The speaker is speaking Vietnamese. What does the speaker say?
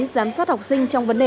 giám sát học sinh trong vấn đề